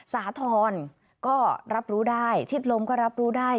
สาธรณ์ก็รับรู้ได้ชิดลมก็รับรู้ได้